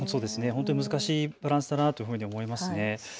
本当に難しいバランスだなと思いますね。